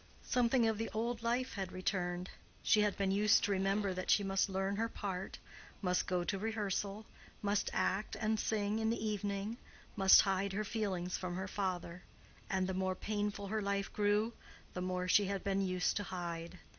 Something of the old life had returned. She had been used to remember that she must learn her part, must go to rehearsal, must act and sing in the evening, must hide her feelings from her father; and the more painful her life grew, the more she had been used to hide.